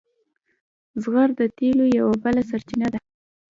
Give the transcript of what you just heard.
زغر د تیلو یوه بله سرچینه ده.